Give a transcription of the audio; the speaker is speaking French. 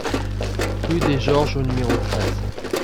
Rue des Georges au numéro treize